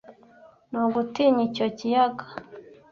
ni ugutinya icyo kiyaga